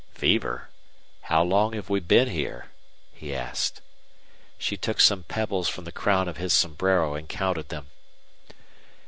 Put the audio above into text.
"Fever? How long have we been here?" he asked. She took some pebbles from the crown of his sombrero and counted them.